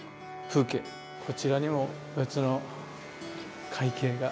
こちらにも別の「海景」が。